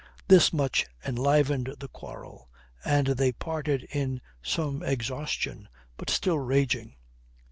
This much enlivened the quarrel, and they parted in some exhaustion, but still raging.